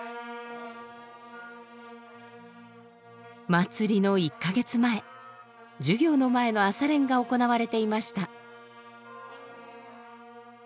祭りの１か月前授業の前の朝練が行われていました。